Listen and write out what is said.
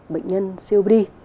bệnh nhân siêu bì